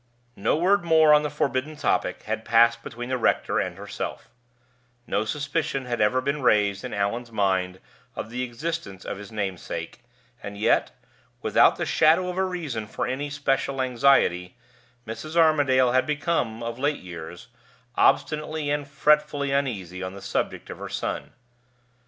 No word more on the forbidden topic had passed between the rector and herself; no suspicion had ever been raised in Allan's mind of the existence of his namesake; and yet, without the shadow of a reason for any special anxiety, Mrs. Armadale had become, of late years, obstinately and fretfully uneasy on the subject of her son.